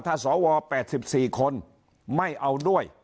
ถ้าสว๘๔คนไม่เอาด้วย